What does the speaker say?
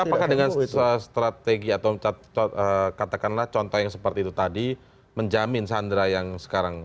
apakah dengan strategi atau katakanlah contoh yang seperti itu tadi menjamin sandra yang sekarang